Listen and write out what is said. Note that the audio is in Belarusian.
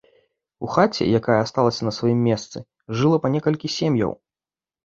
У хаце, якая асталася на сваім месцы, жыло па некалькі сем'яў.